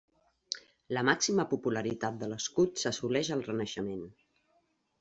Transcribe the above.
La màxima popularitat de l'escut s'assoleix al renaixement.